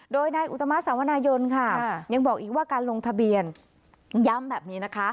โดยนายอุตมาสาวนายนค่ะยังบอกอีกว่าการลงทะเบียนย้ำแบบนี้นะคะ